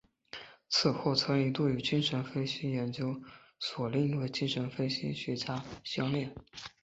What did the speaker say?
此后曾一度与精神分析研究所另一位精神分析学家弗洛姆相恋。